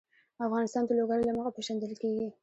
افغانستان د لوگر له مخې پېژندل کېږي.